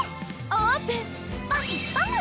オープン！